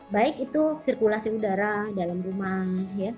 baik itu sirkulasi udara dalam rumah